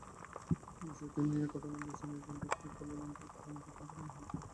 বিষয়টি নিয়ে কথা বলতে চীনের একজন দূতকে কুয়ালালামপুর পাঠানোর সিদ্ধান্ত নেওয়া হয়েছে।